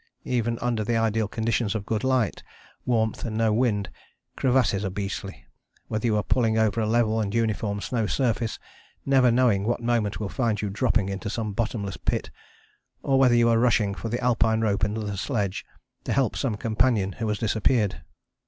Even under the ideal conditions of good light, warmth and no wind, crevasses are beastly, whether you are pulling over a level and uniform snow surface, never knowing what moment will find you dropping into some bottomless pit, or whether you are rushing for the Alpine rope and the sledge, to help some companion who has disappeared.